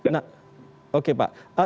nah oke pak